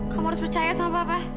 kamu harus percaya sama bapak